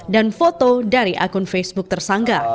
dan foto dari akun facebook tersangka